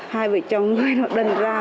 hai vợ chồng người nó đần ra